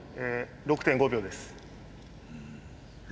６．５秒です。